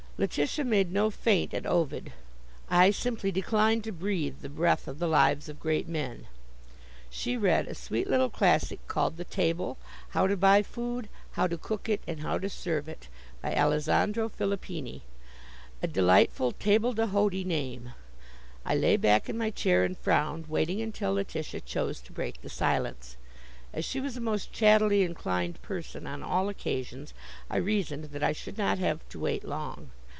Letitia made no feint at Ovid. I simply declined to breathe the breath of The Lives of Great Men. She read a sweet little classic called "The Table; How to Buy Food, How to Cook It, and How to Serve It," by Alessandro Filippini a delightful table d'hôte y name. I lay back in my chair and frowned, waiting until Letitia chose to break the silence. As she was a most chattily inclined person on all occasions, I reasoned that I should not have to wait long.